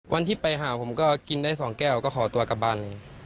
วันที่ไปหาผมก็กินได้๒แก้วก็ขอตัวกลับบ้าน